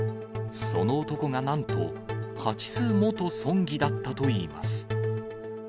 その男がなんと蜂巣元村議だったといいます。